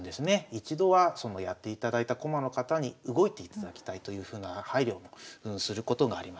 一度はそのやっていただいた駒の方に動いていただきたいというふうな配慮もすることがあります。